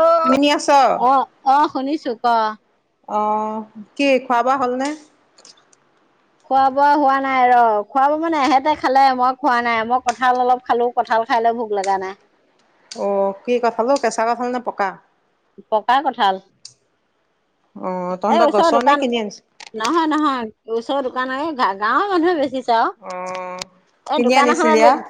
অ'। শুনি আছ অ'- অ' শুনিছোঁ, ক'। অ'। কি খোৱা-বোৱা হ'লনে? খোৱা-বোৱা হোৱা নাই ৰ'। খোৱা-বোৱা মানে এহেঁতে খালে। মই খোৱা নাই। মই কঁঠাল অলপ খালোঁ। কঠাল খাই লৈ ভোক লগা নাই। অ' কি কঠাল ও? কেঁচা কঠাল নে পকা? পকা কঠাল। অ এই তহঁতৰ ওচৰৰ গছৰ নে দোকান- কিনি আনিছ নহয় - নহয়। ওচৰ দোকানৰে। গা- গাঁৱৰ মানুহে বেচি আও। অ এ কিনি দোকান আনিছিলি আ এখনলৈ,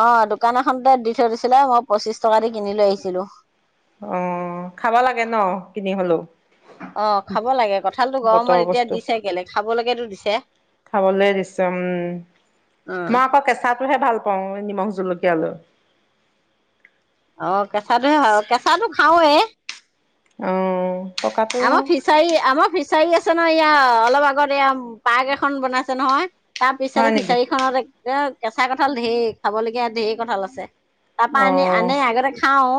অ' দোকান এখনতে দি থৈ দিছিলে মই পঁচিশ টকা দি কিনি লৈ আহিছিলো। অঁ খাব লাগে ন কিনি হলেও। আহ খাব লাগে কঠালতটো গৰমত বতৰৰ এতিয়া বস্তু দিছে কেলে খাবলৈকেতো দিছে খাবলৈ দিছে উম উম। কওঁ নিমখ জলকীয়ালৈ। অ কেঁচাটোহে কেঁচাটো খাওৱে। অঁ। আমাৰ ফিচাই আমাৰ ফি। চাৰি আছে ন ইয়া অলপ আগত এয়া পাৰ্ক এখন বনাইছে নহয়। তাৰ পিছতে হয় নেকি ফিচাৰী খনত এক। কেঁচা কঁঠাল ধেই খাবলগীয়া ধেইৰ কঁঠাল আছে। তাৰ পৰা অ আনি আনে আগতে খাওঁ।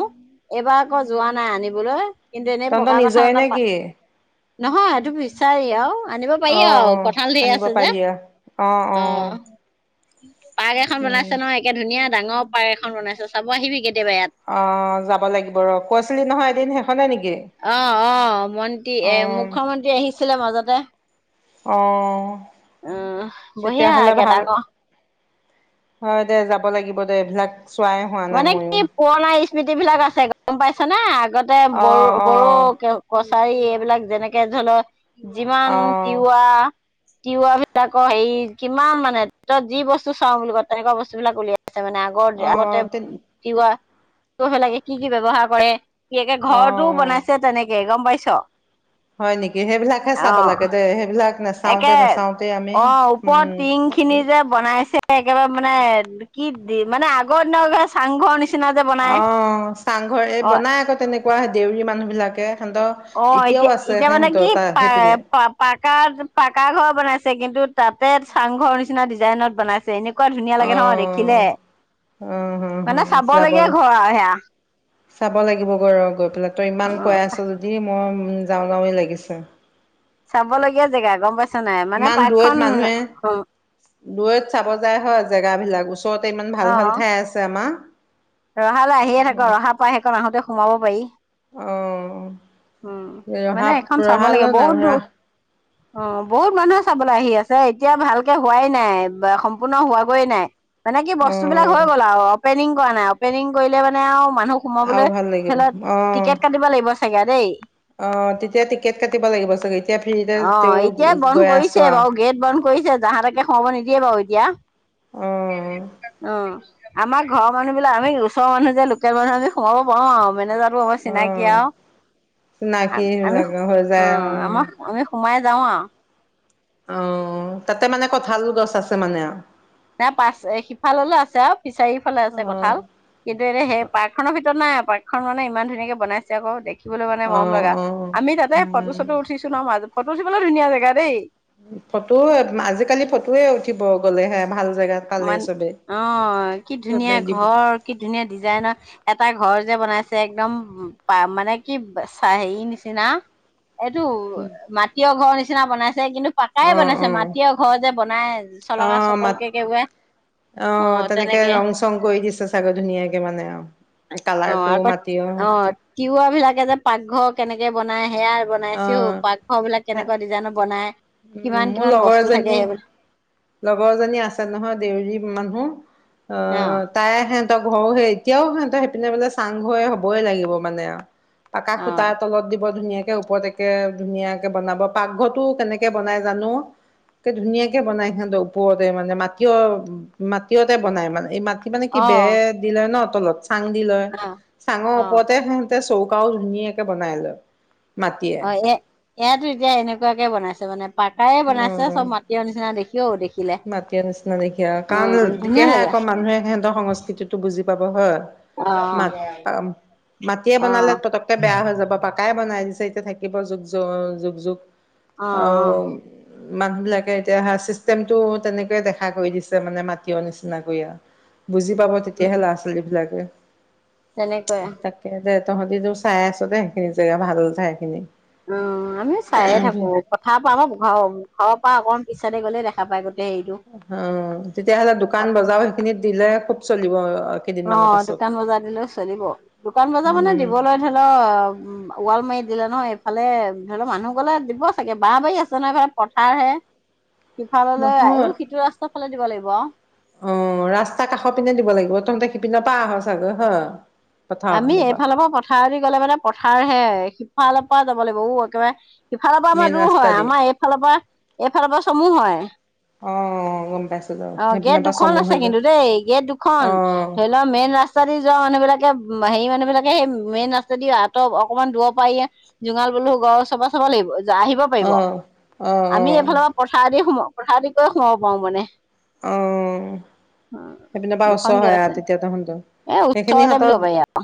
এইবাৰ আকৌ যোৱা নাই আনিবলৈ। কিন্তু এনেই পকা কঠাল এটা। নেকি? নহয় সেইটো বিচাৰি আৰু। আনিব অ পাৰি অ আৰু কঠা‌ঁল ঢেৰ আনিব আছে যে পাৰি আ। অ। পাৰ্ক এখন উম বনাইছে ন একে ধুনীয়া। ডাঙৰ পাৰ্ক এখন বনাইছে। চাব আহিবি কেতিয়াবা ইয়াত অঁ, যাব লাগিব ৰ কৈছিলি নহয় এদিন সেখনে নেকি? অঁ অঁ, মন্ত্ৰী এ মুখ্যমন্ত্ৰী আহিছে। ছিলে মাজতে। অঁ উম বঢ়িয়া তেতিয়াহলে একে ভাল ডাঙৰ হয় দে যাব লাগিব দে এইবিলাক। চোৱাই হোৱা নাই মানে ময়ো। কি পুৰণা স্মৃতি বিলাক আছে। গম পাইছা না? আগতে বড়ো অ' বড়ো। অ' কচাৰী এইবিলাক যেনেকে ধৰি লও। যিমান অ' তিৱা। তিৱা বিলাকৰ হেৰি কিমান মানে তত যি বস্তু চাও বুলি ক তেনেকুৱা বস্তু বিলাক উলিয়াই। মানে আগতে। অ' তেন তিৱা। কৰিব লাগে কি কি ব্যৱহাৰ কৰে। কি ঘৰতও অ' বনাইছে তেনেকে গম পাইছোঁ। ছ হয় নেকি সেইবিলাকহে চাব লাগে দে সেইবিলাক। নাচাওঁতে একে নাচাওঁতে আমি অ ওপৰত উম টিং খিনি যে বনাইছে। একেবাৰে মানে কি দি মানে আগৰ দিনৰ চাংঘৰ নিচিনা। যে বনাই অ চাংঘৰ এই অ বনাই আকৌ তেনেকুৱা দেউৰী মানুহ। বিলাকে সিহঁতৰ অ এতিয়াও এতিয়া আছে এতিয়া মানে সিহঁতৰ কি তাৰ সেইপিনে পা পাকাত পাকা ঘৰ বনাইছে কিন্তু তাতে চাংঘৰ নিচিনা ডিজাইনত বনাইছে। এনেকুৱা ধুনীয়া অ লাগে নহয় দেখিলে আহ মানে যাব চাবলগীয়া ঘৰ আৰু সেয়া চাব লাগিব গ অ গৈ পেলাই তই ইমান উ কৈ আছ যদি। মই যাওঁ যাওঁৱেই লাগিছে। চাবলগীয়া জেগা গম পাইছ। ইমান দূুৰৈত মানুহে দূৰৈত চাব যায় হয় জেগা বিলাক ওচৰতে ইমান অ ভাল ভাল ঠাই আছে আমাৰ। ৰহালৈ আহিয়ে থাক ৰহা পাই হেকন আহোঁতে। সোমাব পাৰি। অঁ উম মানে এইখন চাব লাগে যাম বহুত দূৰ ৰাস অ বহুত মানুহে চাবলৈ আহি আছে। এতিয়া ভালকে হোৱাই নাই বা সম্পূৰ্ণ হোৱাগৈয়ে নাই। মানে কি বস্তু বিলাক হৈ অ' গ'ল আৰু অপেনিং। কৰা নাই অপেনিং কৰিলে মানে আৰু। মানুহ আৰু সোমাবলৈ ভাল ধৰি লক টিকেট কাটিব লাগিব চাগে। আহ তেতিয়া টিকেট কাটিব লাগিব চাগে এতিয়া ফ্ৰীতে অ এতিয়া বন্ধ গৈ কৰিছে আছে বাৰু গেট বন্ধ কৰিছে জাহাতাকে সোমাব নিদিয়ে বাৰু এতিয়া। অ আমাৰ ঘৰৰ মানুহিলাক আমি ওচৰ মানুহ যে লোকেল মানুহ আমি সোমাব পাৰো আৰু মেনেজা। ৰব চিনাকি অ' আৰু চিনাকি আমি হলাগৈ হৈ অ যায় উম আমাৰ আমি সোমাই যাওঁ আ অ তাতে মানে কঠাল গছ আছে মানে নাই পাৰ সিফাললৈ আছে আৰু পিছৰ সিফাললৈ আছে অ'। কঁঠাল কিন্তু এনেই সেই পাৰ্ক খনৰ ভিতৰত নাই আৰু পাৰ্ক এখন মানে ইমান ধুনীয়াকে বনাইছে আক দেখি দেখিবলৈ মানে মৰম অ', লগা অ', আমি তাতে ফটো উম, চটো উঠিছো ন মাজত ফটো উঠিবলৈ ধুনীয়া জেগা দেই ফটো আজিকালি ফটোয়ে উ ঠিব গ'লে হে ভাল জেগাত পালে মান চবে। অ কি চবে ধুনীয়া দিব ঘৰ কি ধুনীয়া ডিজাইনৰ এটা ঘৰ যে বনাই। একদম মানে কি হেৰি নিচিনা। এইটো মাটি ঘৰ নিচিনা। বনাই। কিন্তু পাকাই অ', বনাইছে অ', মাটিয় ঘৰ যে বনাই চলঙা চকল কে যে, অঁ, তেনেকে ৰং চং কৰি দিছে চাগে ধুনীয়াকে মানে অ। অ কালাৰটোও আকৌ মাটি অ। তিৱা বিলাকে যে পাকঘৰ কেনেকে বনাই। সেইয়া বনাইছোও অ', পাকঘৰ বিলাক কেনেকুৱা ডিজাইনৰ বনাই উম, কিমান মোৰ কিমান লগৰ বস্তু থাকে এজনী সেইবিলাক। লগৰজনী আছে নহয় দেউৰী মানুহ। অ অঁ, তাইে আহে। সিহঁতৰ ঘৰ সে এতিয়াও সিহতৰ সেইপিনে বোলে চাং ঘৰ হৈ হবই লাগিব মানে আৰু। পাকা অ খোতা তলত দিব ধুনীয়া। ওপৰতকে ধুনীয়াকে বনাব পাকঘৰটো কেনেকে বনাই জানো একে ধুনীয়াকে বনাই। ওপৰতে মানে মাটিয় মাটিয়তে বনাই মানে এই ম। কি মানে কি অ বে দিলৈ ন। তলত। চাং দিলৈ অ চাঙৰ অ ওপৰতে শুতে চৌ। আঁও ধুনীয়াকে বনাই লয়। মাটিয়ে অঁ এ এইয়াতো এতিয়া এনেকুৱাকে বনাইছে মানে। পাকায়ে বনাইছে চব মাটিৰ নিচিনা দেখি। কিয় দেখি। মাটি নিচিনা দেখিয় কাৰণ ধুনীয়া তেতিয়াহে লাগে আকৌ মানুহে সিহঁতৰ সংস্কৃতিটো বুজি। পাব হয়। অ ম মাটিয়ে অ অ বনালে পতককে বেয়া হৈ যাব পাকাই বনাই দিছে। থাকিব যুগ য যুগ যুগ। আৰু অঁ। মানুহ বিলাকে এতিয়া চিষ্টেম। টো তেনেকৈয়ে দেখা কৰি দিছে মানে মাটি নিচিনাকৈ আৰু। বুজি পাব তেতিয়াহে উম ল'ৰা ছোৱালীবিলাকে। তেনেকুৱাই তাকে। তহঁতি যোৰ চাই আছ যে সেইখিনি জে ভাল ঠাই খিনি। অ, আমি চায়ে থাকো পথাৰ পৰা। আমাৰ ঘৰৰ ঘৰৰ পৰা অকমান পিছ চাইতে গ'লে দেখা পাই গ অ তেতিয়াহ'লে দোকান বজাৰ সেইখিনিত দিলে খুব চলিব। অ কেইদিনমানৰ পাছত দোকান বজাৰ দিলেও চলিব। দোকান বজাৰ মানে উম দিবলৈ ধৰি লও ওৱাল মাৰি দিলে নহয় এইফালে। ধৰি লও মানুহ গলে দিব চাগে। বাহ বাৰী আছে নে নাই, পথাৰ হে। নহয়। লাগিব অ ৰাস্তা কাষৰ পিনে দিব লাগিব। তহঁতে পিন পা আহ চাগৈ হয়? পথাৰৰ আমি পিনৰ এইফালৰ পৰা পথাৰদি গ'লে মানে পথাৰ হে আহে। সিফালৰ পাও যাব লাগিব উ একেবাৰে সিফালৰ পৰা আমাৰ মেইন দূৰ ৰাস্তা হয়। দি আমাৰ এইফালৰ পৰা, এইফালৰ পৰা চমু হয়। অ গম পাইছো বাৰু অ, গেট সেইপিনৰ পৰা দুখন চমু আছে হৈ যায় কিন্তু দেই। গেট দুখন। অ ধৰি লোৱা মেইন ৰাস্তা দি যোৱা মানুহ বিলাকে হেৰি মানুহ বিলাকে সেই মেইন ৰাস্তাদি আঁতৰ অকনমান দোৰ পা জোঙাল বলহু গড় ওচপা চাব লাগিব। আহিব অ পাৰিব। অ অ আমি এইফালৰ পৰা পথাৰেদি সোমাম। পথাৰ দি গৈ সোমাব পাৰো মানে। অ সেইপিন পা দুখন ওচৰ গেট হয় আছে আৰু তেতিয়া তহঁতৰ। এ সেইখিনি ওচৰতে বুলি হাতত ক'ব পাৰি আৰু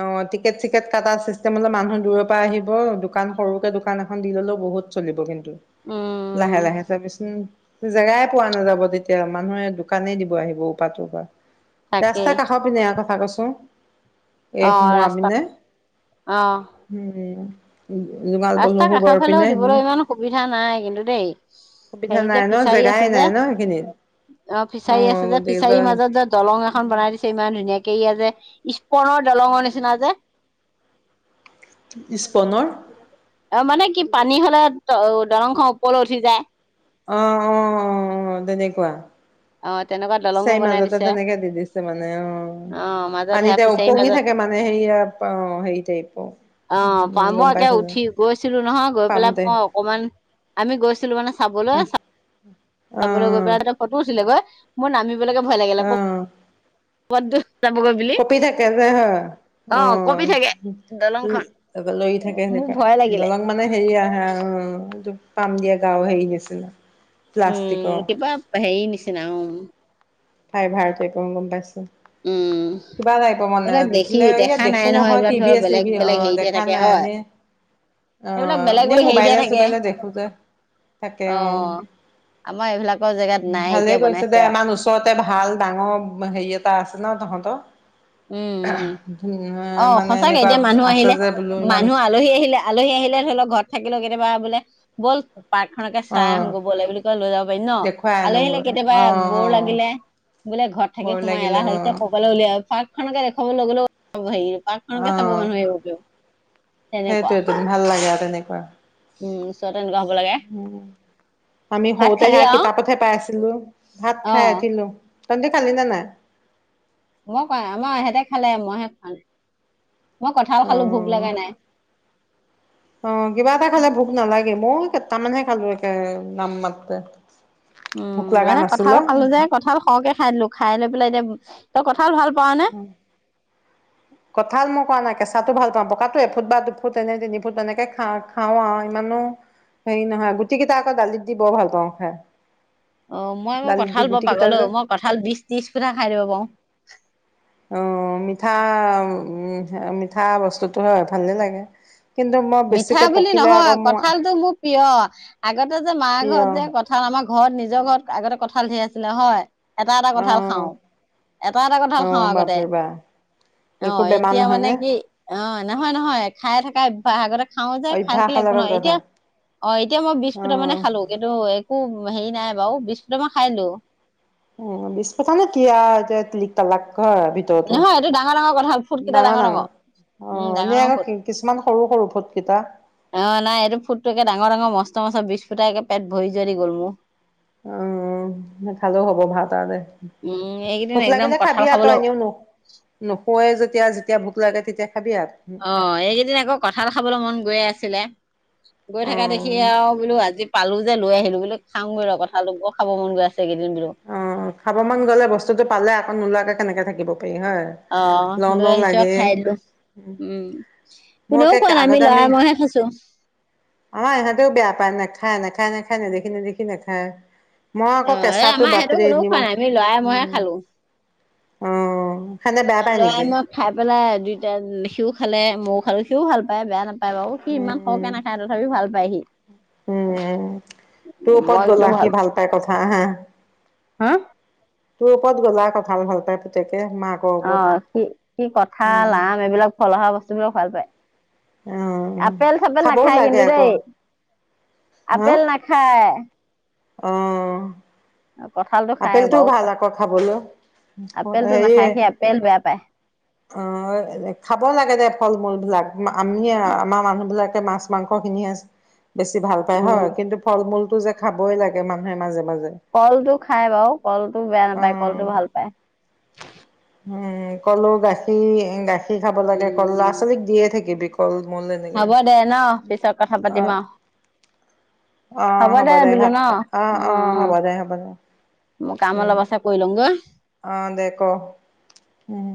অ, টিকেট চিকেট কাটা চিষ্টেম মানুহ দূৰৰ পৰা আহিব। দোকান সৰুকে দোকান এখন দি ললেও বহুত চলিব কিন্তু। লাহে উম লাহে চাবিচোন। জেগাই পোৱা নাযাব তেতি এতিয়া মানুহে দোকানেই দিব আহিব অপা তপা। ৰাস্তা তাকেই কাষ পিনে আ কথা কৈছোঁ। ক'। এই অ সোমোৱা ৰাস্তা পিনে। অ উম। জোঙাল ৰাস্তা বলহু কাষৰ গড় ফালেও পিনে? দিবলৈ ইমান সুবিধা নাই কিন্তু দেই সুবিধা হেৰি যে নাই ন? ফিচাৰী জেগাই আছে যে নাই ন সেইখিনিত? অ ফিচাৰী আছে যে। ফিচাৰীৰ মাজত যে দলং এখন বনাই দিছে ইমান ধুনীয়াকে এইয়া যে ইছপনৰ দলঙৰ নিচিনা যে। অ নি ইস্পনৰ [unintelligible] অ মানে কি পানী হলে দলং খন ওপৰলৈ উঠি যায়। অহ অ অ আহ, তেনেকুৱা। অ তেনেকুৱা দলঙো ফিচাৰী বনাই মাজতে দিছে তেনেকে দি দিছে মানে অ। অ মাজত সেয়া পানীতে ফিচাৰীৰ ওপঙি মাজত থাকে মানে, হেয়া অ। হেৰি টাইপৰ অ উম মই গম একে পাইছো দে। উঠি গৈছিলো নহয়। গৈ পাম পেলাই টাইপ মই অকমান আমি গৈছিলো মানে চাবলে। চাবলে গৈ পেলাই তাতে অ ফটো উঠিলে গৈ। মই নামিম সেইটো লৈকে ভয় লাগিল আকৌ। পদ দু কপি থাকে যে হয় অ কঁপি থাকে দলংখন আহ লৰি থাকে মোৰ সেনেকা ভয় লাগিলে দলং মানে হেৰি আহে অ পাম দিয়া গাঁও হেৰি নাছিলো উম কিবা হেৰি নিচিনা উ পাই ভাৰতে গম পাইছো উম কিবা লাগিব মানে এইবিলাক দেখি দেখিলে ইয়াত দেখা নাই দেখো নহয় এইবিলাক ধৰ টিভিয় বেলেগ চিভি অ বেলেগ হেৰিতহে দেখা থাকে নাই হয় এনে অ এইবিলাক বেলেগ ন বেলেগ হেৰিতহে মোবাইলে থাকে চোবাইলে দেখো দে থাকে অ আমাৰ এইবিলাকৰ জেগাত নাই ভালেই এতিয়া গৈছে দে বনাইছে আৰু মান। ভাল ডাঙৰ হেৰি এটা আছে ন তহঁতৰ উম উম অ মানে সচাকে এনেকুৱা এতিয়া মানুহ আছে আহিলে যে বোলো ইমান মানুহ আলহী আহিলে আলহী আহিলে ধৰি লওক ঘৰত থাকিলে কেতিয়াবা বোলে বছ পাৰ্কখনকে চাই আহো অ গবলৈ বুলি কয় লৈ যাব পাৰিম ন দেখুৱাই আলহী আহিলে আনোগৈ কেতিয়াবা অ অ বৌৰ লাগিলে বোলে ঘৰত থাকি বৰ সোমাই লাগিলে এলাহ অ হৈছে কৰকলৈ উলিয়াব পাৰ্ক সেনেকে দেখাব লগ গলেও হেৰি পাৰ্কখনকে চাব মানুহ এইব সেইটোয়ে ভাল লাগে আৰু তেনেকুৱা উম ওচৰতে এনেকুৱা হ'ব লাগে আমি ভাত সৰুতে খালি সে আৰু কিতাপতহে পাই আছিলো ভাত অ খাই আহিলো। তেন্তে খালি ন নাই মই কোৱা আমাৰ এহেঁতে খালে মইহে খোৱা নাই। মই কথাও অ খালো ভোক লগা নাই। অ কিবা এটা খালে ভোক নালাগে গে মোক তাৰমানেহে খালো একে নাম মাত উম মানে কঁঠাল খালো যে কঁঠাল সৰহকে খাই দিলো খাই লৈ পেলাই এতিয়া। ত কৰ কঠাল মই খোৱা নাই কেঁচাটো ভাল। পা পকাতো এফুট বা দু ফুট এনে তিনি ফুট এনেকে খা খাওঁ আৰু ইমানো হেৰি নহয় গুটি কেইটা আকৌ দালিত দি বৰ ভাল পাওঁ খাই। অ মই আকৌ দালিত দি কঁঠাল ব গুটি কেইটা পাগলো যে মই কঁঠাল বিশ ত্ৰিশ পুঠা খাই দিব পাৰো। অ মিঠা উ মিঠা বস্তুটো হয় ভালেই লাগে। কিন্তু মই মিঠা বেছিকে বুলি পকিলে নহয় আকৌ মোৰ কঠালতটো মোৰ প্ৰিয় আগতে যে মাৰ প্ৰিয় ঘৰত যে কঁঠাল আমাৰ ঘৰত নিজৰ ঘৰত আগতে কঠাল। ভাল সেৰি আছিলে হয় এটা এটা কঠাল খাও অ'। এটা এটা কঠাল খাওঁ অ' আগতে বাপৰে বাপ একো আহ বেমাৰ এতিয়া নহয় মানে নে? কি অ নহয় নহয় খাইে থকাই বহাগৰ খাও যে খাই থাকিলে অভ্যাসৰ একো লগত নহয় কথা এতিয়া অ এতিয়া মই বিশ ফুটৰ মানে অ'। খালো কিন্তু একো হেৰি নাই বাৰু বিস ফুটামা নকৰো খাইলো। উ বিছ পথা নে কি এতি লিক তালাক হয় ভিতৰতো নহয় এইটো ডাঙৰ ডাঙৰ কথা হ'ল ফুট কেইটা ডাঙৰ ডাঙৰ উম অ' ডাঙৰ এনেই ডাঙৰ আকৌ ফুট কিছুমান সৰু সৰু ফুটকেইটা। অ নাই এইটো ফুটটো একে ডাঙৰ ডাঙৰ মস্ত। ম বিছ ফুট একে পেট ভৰি জি গ'ল মোৰ। উম নাখালেও হব ভাত ত দে, উম এইকেইদিন ভোক একদম লাগনে কঁঠাল খাবিহ তই খাবলৈ এনেও নুখ নুখোৱে যেতিয়া ভোক লাগে তেতিয়া। খাবি আৰু। অঁ এইকেইদিন আকৌ কঁঠাল খাবলৈ মন গৈয় আছিলে। গৈ থকা দেখি অ' আৰু বোলো আজি। পালো যে লৈ আহিলো ব বুলি খাওঁগৈ ৰ কথাালোক খাব মন গৈ আছে। এইকেইদিন বোলো অঁ খাব মন গ'লে বস্তুতটো পালে আকৌ নোলোৱাকে। কেনেকে থাকিব। পাৰি হয়। অঁ লওঁ লৈ লওঁ আহিছো আৰু খাই লো উম। মোক কোনেও একে খোৱা নাই আগতে আমি লৰাই মইহে খাইছো অ ইহঁতেও বেয়া পায় নাখায় নেখায়। খাই না খায় না দেখি না দেখি না খায়। অঁ এই আমাৰ সিহটো কোননেো খোৱা নাই আমি লৰাই মইহে খালো। অঁ। লৰা মাক খাই পেলাই দুইটা সিও খালে মইও। আৰু সিও ভাল পায় বেয়া নাপায়। পাই বাৰু সি ইমান উম সৰহে নাখায় তথাপি ভাল পায় সি। উম তোৰ ওপৰত মই কিন্তু গলা সি ভাল পাই কথা হা। তোৰ ওপৰত গ'লা কথা ভাল পাই তুতে। অঁ সি সি কঠাল উম আমি এইবিলাক ফল অহা বস্তুবলাক। ভাল পায়। অ আপেল চাপেল খাবও নাখায় লাগে কিন্তু আকৌ দেই আপেল নাখায়। অঁ। কঁঠালটো খাই আপেলটোও বাৰু ভাল আকৌ খাবলৈ আপেলটো হেৰিয়ে নাখায় সি আপেল বেয়া পায় অঁ খাব লাগে দে ফল-মূল বিলাক। আমিয়ে আমাৰ মানুহ বিলাক মাছ-মাংস কিনি আছে। বেছি ভাল পায় উম হয়, কিন্তু ফল- মূল। ইটো যে খাবই লাগে মানুহে মাজে-মাজে। কলটো খা খাই বাৰু কলটো বেয়া অ নাপায়, কলটো ভাল পায়। উম কলো, গাখীৰ-গাখীৰ। পি খাব লাগে, কল ল'ৰা- উম ছোৱালীক দি থাকিবি। কল। মূল এনেকে হ'ব দে ন, পিছত কথা অ পাতিম অহ অ হ'ব দে বিলু ভাত ন, অ অ অ-অ, হ'ব দে হ'ব দে মোৰ কাম অলপ আছে কৰি লও গৈ অহ দে ক' উম।